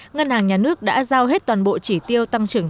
ngân hàng nhà nước đã giao hết toàn bộ chỉ tiêu tăng trưởng